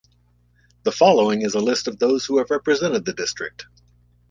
The following is a list of those who have represented the district.